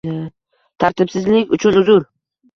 Tartibsizlik uchun uzr.